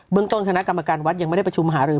ต้นคณะกรรมการวัดยังไม่ได้ประชุมหารือ